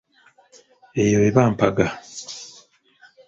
Eyo eba mpaga.